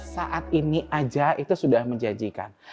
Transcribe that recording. saat ini aja itu sudah sudah berhasil